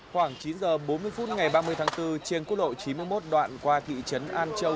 khoảng chín h bốn mươi phút ngày ba mươi tháng bốn trên quốc lộ chín mươi một đoạn qua thị trấn an châu